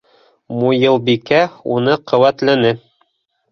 Муйылбикә уны ҡеүәтләне: